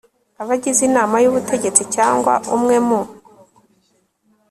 abagize inama y ubutegetsi cyangwa umwe mu